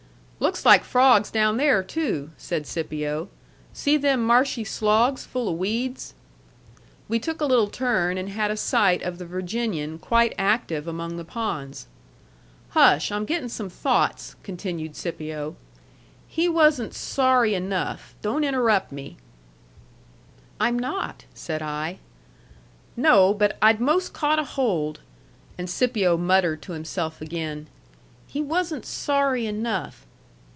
"Looks like frogs down there, too," said Scipio. "See them marshy sloos full of weeds?" We took a little turn and had a sight of the Virginian quite active among the ponds. "Hush! I'm getting some thoughts," continued Scipio. "He wasn't sorry enough. Don't interrupt me." "I'm not," said I. "No. But I'd 'most caught a hold." And Scipio muttered to himself again, "He wasn't sorry enough."